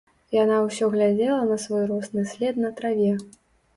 Яна ўсё глядзела на свой росны след на траве.